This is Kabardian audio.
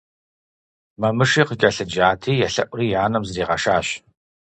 Мамыши къыкӀэлъыджати, елъэӀури и анэм зригъэшащ.